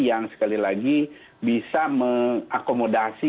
yang sekali lagi bisa mengakomodasi